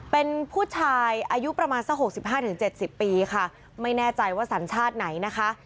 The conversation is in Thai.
เป็นผู้ชายอายุประมาณสัก๖๕๗๐ปีค่ะไม่แน่ใจว่าสัญชาติไหนนะคะ